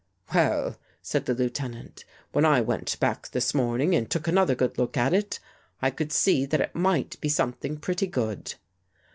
" Well," said the Lieutenant, " when I went back this morning and took another good look at it, I could see that it might be something pretty good."